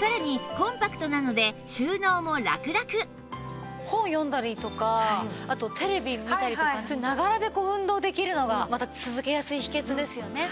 さらに本を読んだりとかあとテレビ見たりとかながらで運動できるのがまた続けやすい秘訣ですよね。